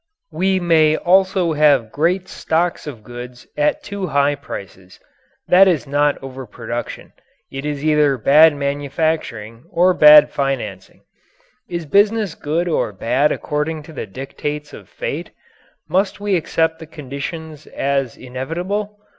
We may also have great stocks of goods at too high prices. That is not overproduction it is either bad manufacturing or bad financing. Is business good or bad according to the dictates of fate? Must we accept the conditions as inevitable?